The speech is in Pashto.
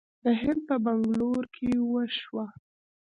د هند په بنګلور کې وشوه